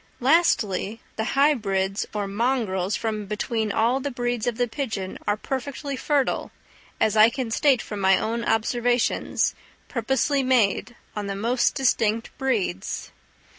Lastly, the hybrids or mongrels from between all the breeds of the pigeon are perfectly fertile, as I can state from my own observations, purposely made, on the most distinct breeds.